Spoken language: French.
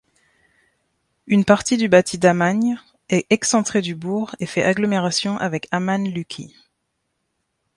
Une partie du bâti d’Amagne est excentré du bourg et fait agglomération avec Amagne-Lucquy.